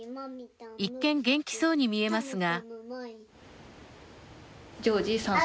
一見元気そうに見えますが。